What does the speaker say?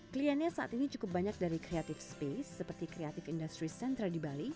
kliennya saat ini cukup banyak dari creative space seperti creative industry central di bali